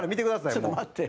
ちょっと待って。